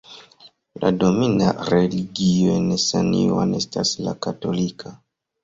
La domina religio en San Juan estas la katolika.